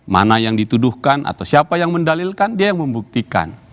mana yang dituduhkan atau siapa yang mendalilkan dia yang membuktikan